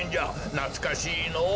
なつかしいのぉ。